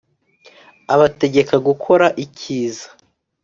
abategeka gukora ikiza.